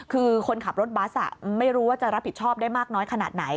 คือคนขับรถบัสไม่รู้ว่าจะรับผิดชอบได้มากน้อยขนาดไหน